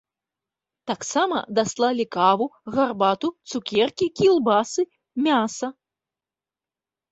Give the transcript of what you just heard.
Таксама даслалі каву, гарбату, цукеркі, кілбасы, мяса.